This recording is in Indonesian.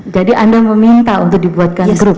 jadi anda meminta untuk dibuatkan grup